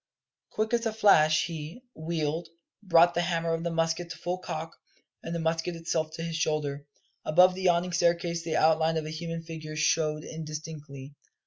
Quick as a flash he, wheeled, brought the hammer of the musket to full cock, and the musket itself to his shoulder. Above the yawning staircase the outline of a human figure showed indistinctly.